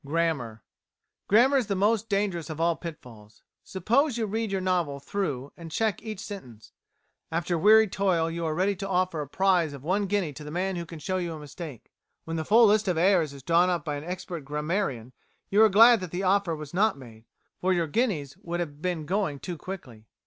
Grammar Grammar is the most dangerous of all pitfalls. Suppose you read your novel through, and check each sentence. After weary toil you are ready to offer a prize of one guinea to the man who can show you a mistake. When the full list of errors is drawn up by an expert grammarian, you are glad that offer was not made, for your guineas would have been going too quickly.